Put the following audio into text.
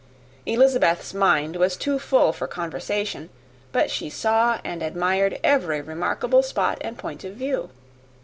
Elizabeth's mind was too full for conversation, but she saw and admired every remarkable spot and point of view.